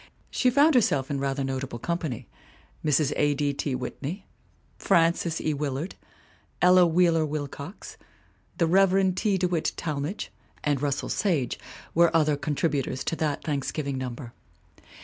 She found herself in rather notable company Mrs. A. D. T. Whitney, Frances E. Willard, Ella Wheeler Wilcox, the Rev. T. De Witt Talmage and Russell Sage were other con tributors to that Thanksgiving number.